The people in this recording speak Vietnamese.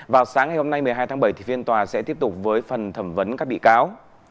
vào sáng ngày hôm nay một mươi hai tháng bảy thì phiên tòa sẽ tiếp tục với phần thẩm vấn các bị cáo